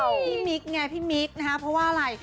พี่มิ๊กไงพี่มิ๊กนะฮะเพราะว่าอะไร